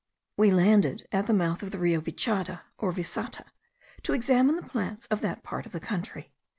We landed at the mouth of the Rio Vichada or Visata to examine the plants of that part of the country.